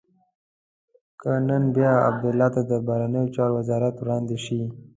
که نن بیا عبدالله ته د بهرنیو چارو وزارت وړاندې شي.